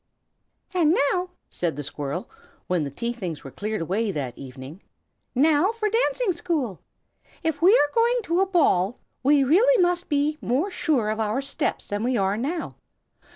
"AND now," said the squirrel, when the tea things were cleared away that evening, "now for dancing school. If we are going to a ball, we really must be more sure of our steps than we are now.